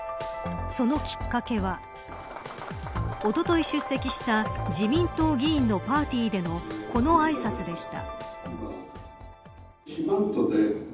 そのきっかけはおととい出席した自民党議員のパーティーでのこのあいさつでした。